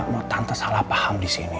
dan saya gak mau tante salah paham disini